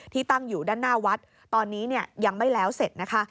ตั้งอยู่ด้านหน้าวัดตอนนี้ยังไม่แล้วเสร็จนะคะ